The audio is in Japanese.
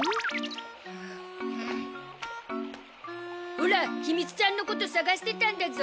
オラひみつちゃんのこと捜してたんだゾ。